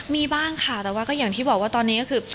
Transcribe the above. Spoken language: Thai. มีบ้างค่ะแต่ว่าก็อย่างที่บอกว่าตอนนี้ก็คือ